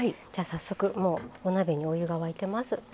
じゃ早速もうお鍋にお湯が沸いてます。